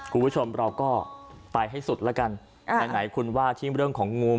คุณผู้ชมเราก็ไปให้สุดแล้วกันไหนคุณว่าที่เรื่องของงู